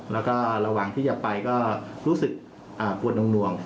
แล้วก็ระหว่างที่จะไปก็รู้สึกปวดนวง